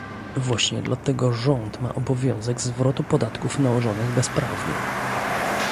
Właśnie dlatego rząd ma obowiązek zwrotu podatków nałożonych bezprawnie